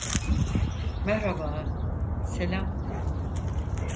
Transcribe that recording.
Merhaba, selam.